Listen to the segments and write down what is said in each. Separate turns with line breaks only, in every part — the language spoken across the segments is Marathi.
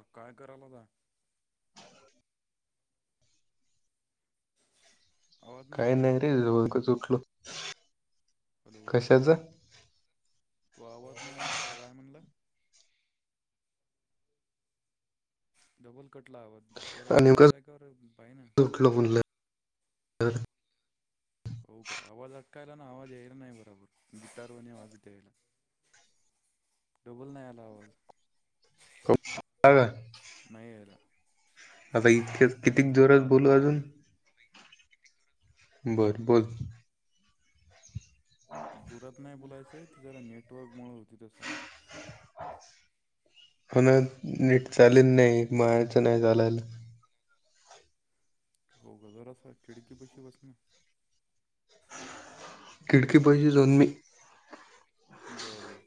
अ काय करालासा?
काही नाही रे, झोपेत उठलो कशाचं?
तू आवाज नाही आला, आत्ता काय म्हणला? डबल कटला आवाज जरा चांगल्या जागेवर ये पाहिना.
ऊठलो म्हणलं [unintelligible]
हो का, आवाज अटकायला ना आवाज यायला नाही, बराबर गिटार वानी आवाजच यायला. डबल नाही आला, आवाज.
खूप
नाही यायला.
आता इतके कितीक जोरात
आता आला हो
बोलू अजून. बरं बोल.
जोरात नाही बोलायचंय ती जरा, नेटवर्क मुळ होतयं तसं.
म्हणा नीट चालेल नाही, [unintelligible] नाही घालायला.
हो, जरास खिडकी पशी बस ना.
खिडकी पशी जाऊन मी
बरं बरं.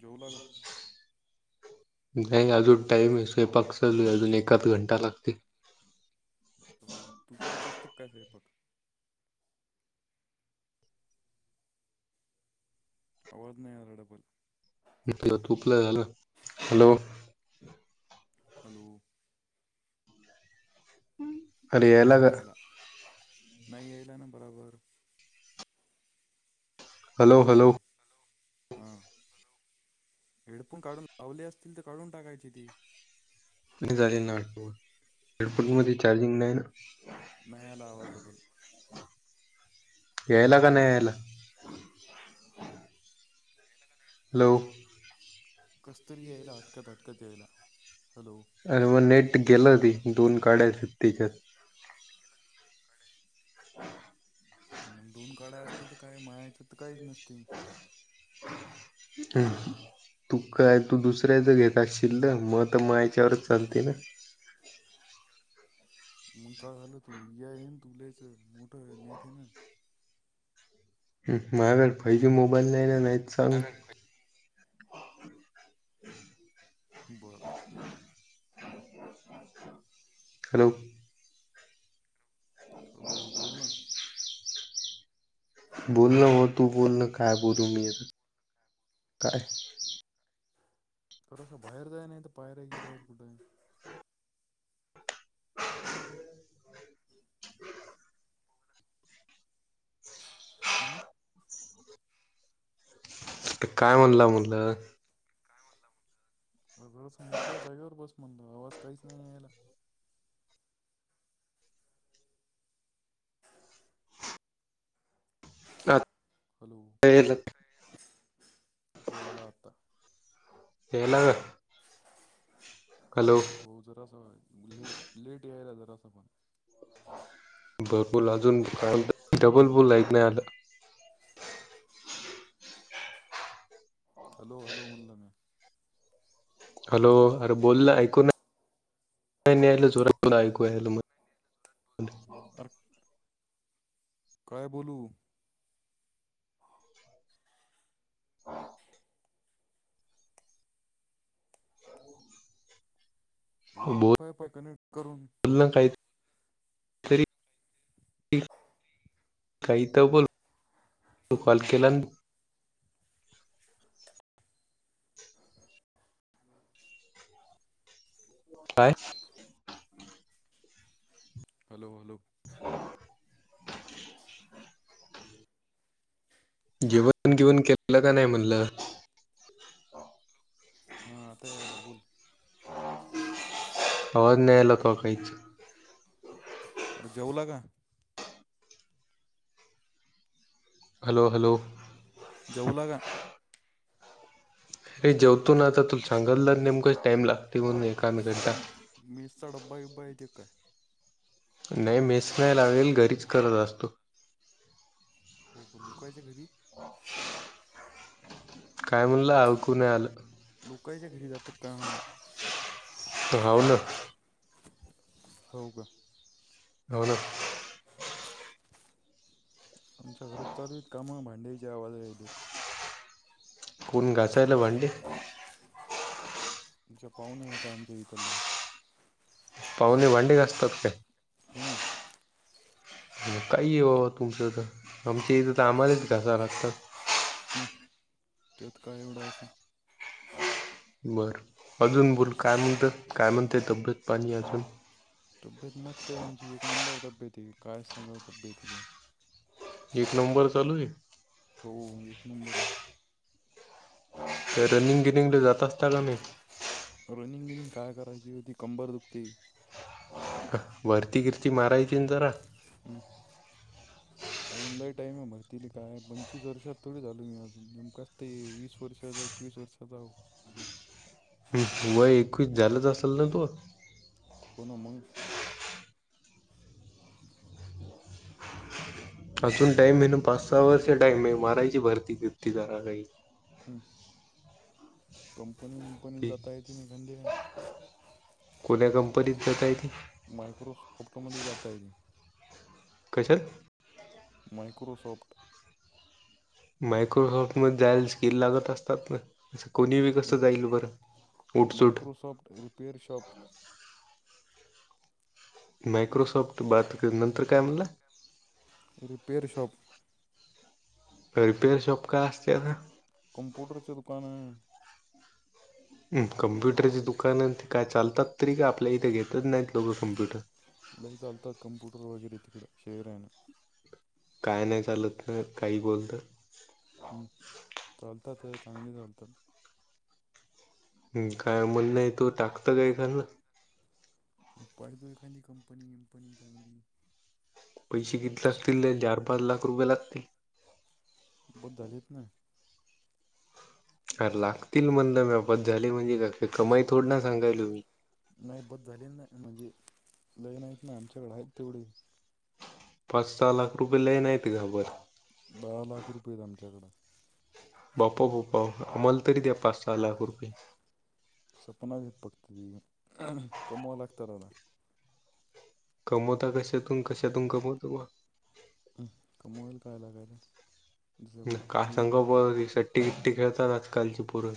जेवला का?
नाही अजून टाईम आहे, स्वयंपाक चालू आहे अजून एकाच घंटा लागते.
हो, तू करत असतं का -काय स्वयंपाक? आवाज नाही याला डब्बल.
इथलं तूप लय झालं, हॅलो!
हॅलो!
अरे का
नाही यायला, नाही यायला ना बराबर. Hello hello! हँलो! हा हँलो! हेडफोन काढून, लावले असतील तर काढून टाकायची ती.
नाही झाले ना, हेडफोन मध्ये चार्जिंग नाही ना.
नाही आला आवाज तर बोल.
यायला का नाही यायला? हॅलो!
कसं तरी यायला अटकत अटकत यायला, हॅलो!
अरं मग नेट गेलं ती, दोन काड्या हायत तेच्यात. [inaudible]
मग दोन काढ्या असल्या तर काय माहायच तर काहीच नसतील
हा ह तू काय तू दुसऱ्याचं घेत असशील ना, मग तर म याच्यावरच चालते ना.
मग काय झालं, तु या आहे ना तु लयचं मोठं नेट आहे ना.
अ माझ्याकडं पैसै मोबाईल घ्यायला नाहीत सांग.
बरं,
हॅलो,
हॅलो, बोल ना.
बोलण हो, तू बोलणं काय बोलू मी काय?
थोडंसं बाहेर जाय नाही,. तर पायऱ गिरा्यावर कुठे आहे हं,
आ, काय म्हणलं म्हणलं,?
काय मनलं,, म्हस मोकळ्या जागेवर बस म्हणल आवाज काहीच नाही यायला.
अच, [unintelligible]
हॅलो,, हो आला आता,
यायला हॅलो,
हो जराच लेट,, लेट यायला जरा पणऽ
भरपूर अजून, डबल
हॅलो
बोल
हॅलो
आहेत नाही आताऽ
हॅलो, हॅलो मनलं मी
हॅलो,, अरे बोलला ऐकू ना,, नाही जोरातला ऐकू म
अर, काय बोलू?
[unintelligible] मग बोल
[unintelligible]
[inaudible] काही तर बोल,, तु कॉल केला‌
[unintelligible]
[unintelligible]
हॅलो, हॅलो,
[unintelligible] जेवण, जेवन केलं का नाही म्हणलं?
हा आता याला बोल,
आवाज नाही याला का काहीच
अरे जेवला का?
हॅलो, हॅलो,
जेवला का?
अरे जेवतो ना, आता तू सांगितलं नेमकंच टाईम, लागते म्हणून एका मिनिटा
काऊन मेसचा डबा बिब्बा येते काय
नाही मेस नाही लागेल घरीच करत असतो
हो लोकायच्या घरी
[unintelligible] काय म्हणलं ऐकू नाहीआलं
लोकांच्या घरी जातात का म्हलं
हाव ना
हो का
[unintelligible]
आमच्या घरात चालूयत काम भांड्यायची आवाज यायलेत.
कोण घासायल भांडे?
च्या पाहूणे हाय त आमच्या इथल्ये.
पाहुणे भांडे घासतात काय?
हो ना.
काही आहे बा तुमचं तर,, आमच्या इथं तर आम्हालाच घासा लागतात.
हं त्यात काय एवढा असं
बरं अजून बोल काय म्हणतय काय म्हणते तब्येत पाणी अजून
तब्येत मस्त अमची एक नंबर तब्येत येे काय सांगावं तब्येतला
एक नंबर चालू आहे
होे एक नबरं
ते रनिंग गिनिंगले जात असतात का मंग?
रनिंग गिनिंग काय करायची वो ती कंबर दुखतेय.
वरती गीर्ती मारायची न जरा.
[inaudible] अजून लै टाईम आहे भरतीले काय पंचवीस वर्षात थोडी झालो मी आजून नेमकाच ते वीस वर्षाचा एक वीस वर्षाचा हावो.
वय एकवीस झालंच असल न तुव?
होण मगं?
अजून टाईम हाय न पाच सहा वर्ष टाइम हाय मारायची भरती गीरती जरा कांहीं.
हम्म. कंपनी गिपनीत
ती
जाता येते न एखांद्या.
कोण्या कंपनीत जाता येते?
मायक्रोसॉफ्टमध्ये जाता येते.
कशात?
मायक्रोसॉफ्ट.
मायक्रोसॉफ्टमध्ये जायला स्किल लागत असतात ना? अस कोणी बी कसं जाईल बरं उठ सूट?
सॉफ्ट पेयर शॉप
मायक्रोसॉफ्ट बात नंतर काय म्हणलं?
Repair shop.
रिपेअर शॉप काय असते आता?
कॉम्प्यूटर च दुकानं.
म कम्प्युटरची दुकान ते काय चालतात तरी का आपल्या इथे घेतच नाहीत लोकं कम्प्युटर.
लई चालतात कंम्पूटर वगैरे तिकडं शहिरायणं.
काय नाही चालत न तर काही बोलतांत.
हम्म चालतात चांगली चालतात.
हम काय म्हण हाय तुव टाकत काय एखांद?
पायतो एखांदी कंपनी गिमंपनी चांगली.
पैशे किती लागतील त्याले चार पाच लाख रुपये लागतील?
बस झालेत ना.
आर लागतील म्हणलं म्या बस झाले म्हणजे का कमाई थड ना सांगायलोय.
नाही बत झालेली नाही म्हणजे लै नाहीत ना आमच्याकडें आहेत तेवढे
पाच सहा लाख रुपये लय नाही की घाबर
दहा लाख रुपये हायेत आमच्याकडं.
बाप्पा बापा मल तरी द्या पाच सहा लाख रुपये
सपनात हेच पडतील कमवाला लागता दादा.
कमवता कशातून कशातून कमवतो बा.
कमवायल काय लागालय
[unintelligible] खेळतात आजकालची पोरं.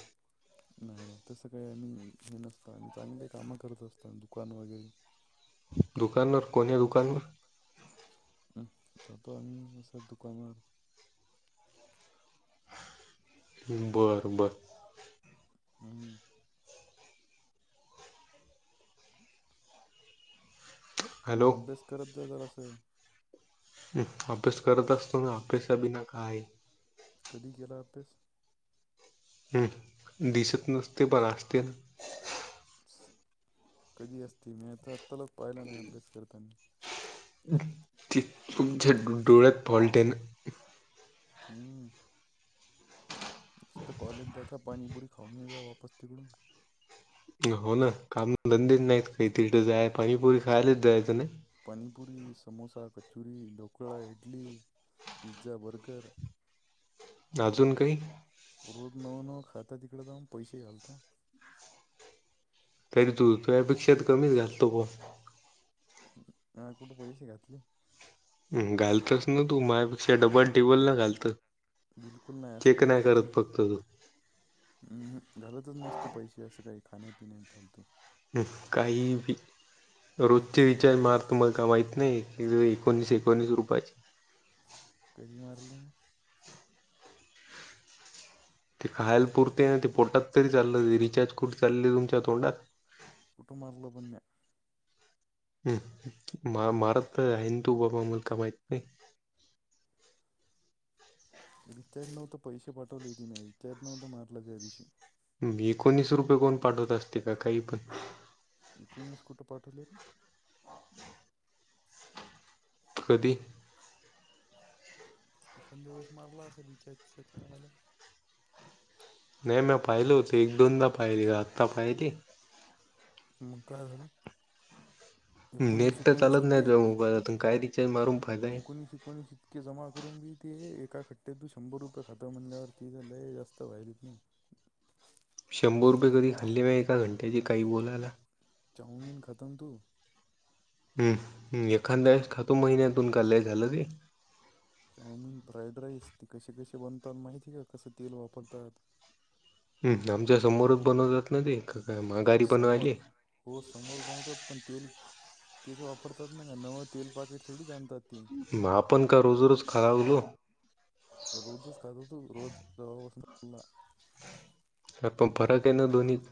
हम्म. तसं काही नाही हे नसत. आम्ही चांगले काम करत असतो दुकान वगैरे-
दुकानातं कोण दुकान [unintelligible]
हम्. [unintelligible]
बरं बरं.
हम्म. [inaudible] तु्ही
हॅलो हं,
अभ्यास करत जा जरास असं.
म अभ्यास करत असतो ना अभ्यासा बीना काय हाय?
कधी गेला होतास?
दिसत नसते पण असते.
कधी असते? मी त आता तलक पाहिल नाही अभ्यास करताना.
त तुमच्या डोळ्यात फॉल्टयेना.
हम्म. नुसत कॉलेज जाता. पाणीपुरी खाऊन [unintelligible] वापस तिकडून.
हो ना. काम धंदेच नाहीत काही. तिथं जाय पाणीपुरी खायलाच जायचं नाही?
Panipuri, samosa, kachori, dhokla, idli, pizza, burger.
अजून काही?
रोज नवं नव खाता तिकडे जाऊन. पैसे घालता.
तरी तू तु्यापेक्षा तर कमी घालतो बुवा.
ह. कुठे पैसे घातले?
हं. घालितोच ना तू माय- डबल टिबल न घालतो. चेक नाही करत फक्त तू.
हम्म. मी घालतच नसतो पैसे असं काही खाण्यापिण्यात फालतू.
फ काही बी. रोजचे रिचार्ज मार. तुम्हाला काय माहीत नाही? एकोणीस एकोणीस रुपयाचे.
कधी मारले?
ते खायल पुरते ना? ते पोटात तरी चाललं. रिचार्ज कुठ चाललय तुमच्या तोंडात.
कुठुन [unintelligible]
हम्म. म मारत [unintelligible] माहित नाही.
रिचार्ज नव्हंत पैसे पाठवले होते तिनी. रिचार्ज नव्हत मारलं त्यादिवशी.
म एकोणीस रुपये कोण पाठवत असते का? काही पण.
एकोणीस कुठे पाठवले र?
कधी?
एखांद वेळेस मारला असल रिचार्ज [unintelligible]
यान पाहिल होते. एक दोनदा पाहिले. आत्ता पाहिले?
मग काय झालं? एकोणीस
नेट तर
एकोणीस
चालत नाही
रुपये.
तुझ्या मोबाईलातून काय रिचार्ज मारून फायदा आहे
एकोणीस एकोणीस- इतके जमा करून बी ते, एका खट्ट्यात तू शंभर रुपये खतम म्हणल्यावरती. लई जास्त व्हायलीत ना?
शंभर रुपये कधी खाल्ली [unintelligible] काही बोलायला
चाऊमिन खातो ना तू?
हम्म. एखाद्या वेळेस खातो महिन्यातून. का लई खाल्लं रे?
चाऊमिन, फ्राईड राईस ते कसे कसे बनतात माहिती आहे का? कसं तेल वापरतात?
हम्म. आमच्यासमोरच बनवतात ना ते काय माघारी
समोर
बनवायले
- हो. समोर बनवतात पण तेल तेच वापरतात ना? का नवं तेल पाकिट थोडीच आण -
म आपण काय रोज रोज खरावलो?
रोजच खातो तू. रोज [unintelligible]
नाही पण फरक आहे ना दोन्हीत.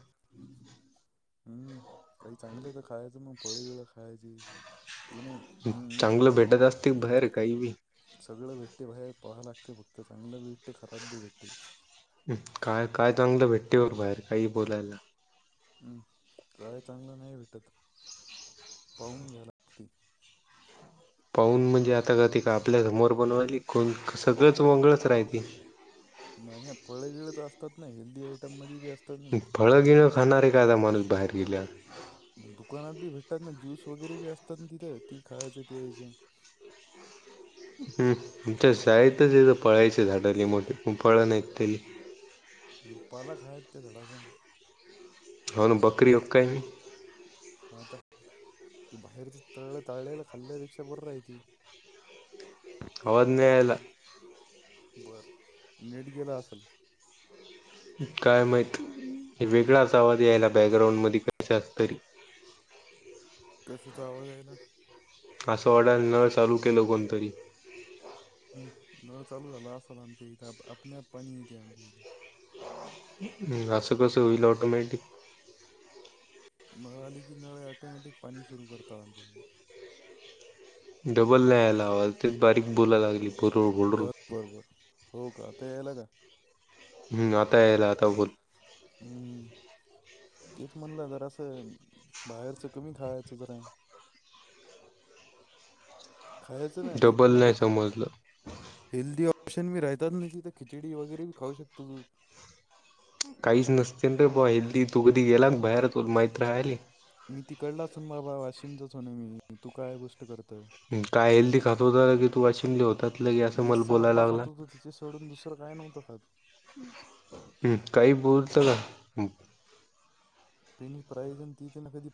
हम्म. काही चांगलं तर खायचं, मग फळ बीळ खायाची ते नाही.
हम्म. चांगलं भेटत असत बाहेर काही बी
सगळं भेट्त बाहेर, पहाव लागते फक्त चांगलं बी भेट्त खराब बी भेट्त.
काय काय चांगलं भेटत बर बाहेर? काही बोलायला.
हम्. काय चांगलं नाही भेटत. पाहून घ्यायला- लागते
पाहून म्हणजे आता काय ते का आपल्यासमोर बनवायली कोण सगळंच वंगाळच राहते.
नाही ना फळे बीळ तर असतात ना हेल्दी आयटम मध्ये बी अस
फळं बीळ खाणारे काय माणूस बाहेर गेल्या
दुकानात बी भेटतात ना ज्यूस वगैरे बी असतात ना, तिथं ती खायचं पियाचं.
हम्म. आमच्या शाळेतच येत फळायची झाड लइ मोठे फळ नाही त्याला
हम्म. पालक हाय त्या झाडाचा
होन बकरी उका काय
म आता ती बाहेरच तळलं तळल्याला खाल्ल्यापेक्षा बर हाय ते.
[unintelligible] द्यायला.
बरं. नेट गेला असल?
काय माहीत वेगळा असा आवाज यायला बॅकग्राउंड मधी कशाचं तरी?
कशाचा आवाज यायला?
असं ऑर्डर न चालू केलं कोणतरी?
हम्म. नळ चालू झाल असल आमच्या हीत आपण आप येत्या आमच्या हीत.
असं कसं होईल ऑटोमॅटि
नळ आली की नळ ऑटोमॅटिक पाणी सुरू करतात आमच्या हित.
डबल यायला आवाज ते बारीक बोलाला लागली फुरू होल
बर बर. हो का आता यायला का?
हम्म. आता यायलाय आता बोल.
हम्म. तेच म्हणलं जरास बाहेरच कमी खायचं जरा. खायचं ना एक
डबल
मिनिट
नाही
हे
समजलं
हेल्दी ऑप्शन मी राहतात नाही तर खिचडी वगैरे बी खाऊ शकतो तू.
काहीच नसते रे बा हेल्दी तू कधी गेला बाहेर तुला माहीत राहली.
मी तिकडला असन बाबा वाशिमचाच हो ना मी तू काय गोष्ट करतोय?
हं, काय हेल्दी खात होता की तू वाशिमले होतात लगे असं मला
मेसचा डबा
बोलायला लागला.
खात होतो तिथे सोडून दुसरं काय नव्हतो खात.
हम्म. काही बोलतो का? हम्म.
[unintelligible] प्राईझ आणि ती तेन कधी